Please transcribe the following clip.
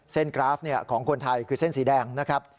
กราฟของคนไทยคือเส้นสีแดงนะครับ